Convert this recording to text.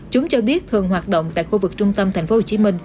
chúng cho biết thường hoạt động tại khu vực trung tâm tp hcm